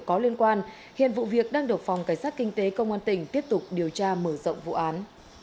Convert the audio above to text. có liên quan hiện vụ việc đang được phòng cảnh sát kinh tế công an tỉnh tiếp tục điều tra mở rộng vụ án